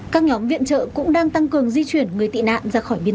các nhóm viện trợ cũng đang tăng cường di chuyển người tị nạn